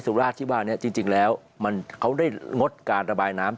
สุราชที่ว่านี้จริงแล้วเขาได้งดการระบายน้ำ